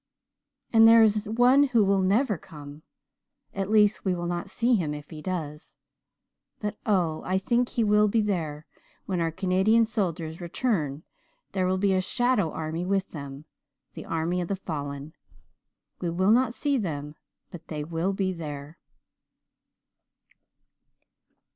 "And there is one who will never come. At least we will not see him if he does. But, oh, I think he will be there when our Canadian soldiers return there will be a shadow army with them the army of the fallen. We will not see them but they will be there!"